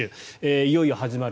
いよいよ始まる。